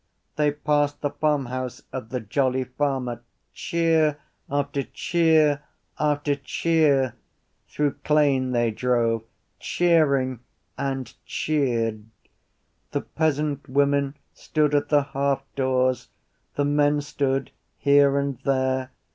They passed the farmhouse of the Jolly Farmer. Cheer after cheer after cheer. Through Clane they drove, cheering and cheered. The peasant women stood at the halfdoors, the men stood here and there.